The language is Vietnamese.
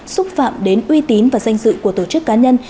xúc phạm đến uy tín và danh dự của tổ chức cá nhân